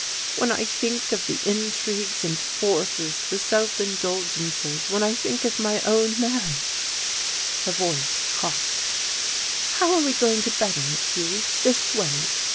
When I think of the intrigues, and divorces, the self indulgences, when I think of my own marriage " her voice caught. "How are we going to better it, Hugh, this way?